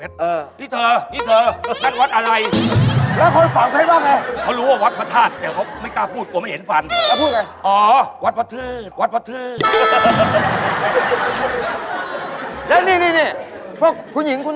สูตรลดความอ้วนคุณนายเค้าใช้กัน